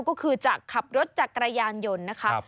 ก็คือจากขับรถจักรยานยนต์นะคะ